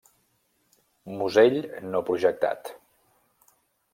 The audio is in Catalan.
Musell no projectat.